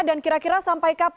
dan kira kira sampai kapan